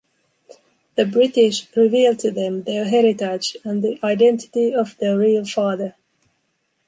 The British reveal to them their heritage and the identity of their real father.